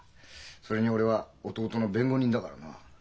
それに俺は弟の弁護人だからな。